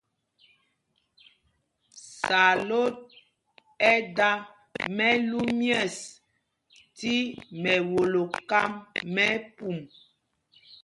Sǎlot ɛ́ da mɛlú myɛ̂ɛs tí mɛwolo kám mɛ pum.